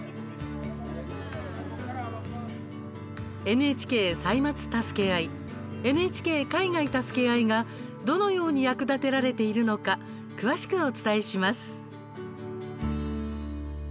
「ＮＨＫ歳末たすけあい」「ＮＨＫ海外たすけあい」がどのように役立てられているのか詳しくお伝えします。